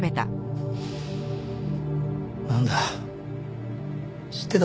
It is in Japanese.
なんだ知ってたんだ。